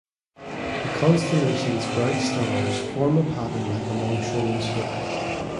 The constellation's bright stars form a pattern like a longshoreman's hook.